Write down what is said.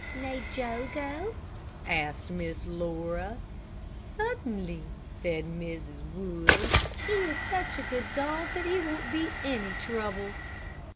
"May Joe go?" asked Miss Laura. "Certainly," said Mrs. Wood; "he is such a good dog that he won't be any trouble."